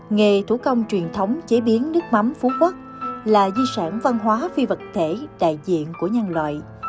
nghề thủ công truyền thống chế biến nước mắm phú quốc là di sản văn hóa phi vật thể đại diện của nhân loại